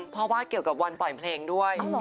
เพราะว่าเกี่ยวกับวันปล่อยเพลงด้วย